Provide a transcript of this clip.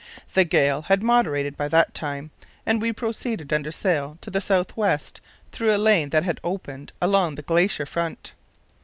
The gale had moderated by that time, and we proceeded under sail to the south west through a lane that had opened along the glacier front.